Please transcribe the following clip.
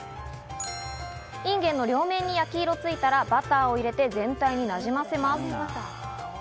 インゲンの両面に焼き色がついたらバターを入れて全体になじませます。